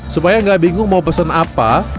supaya nggak bingung mau pesen apa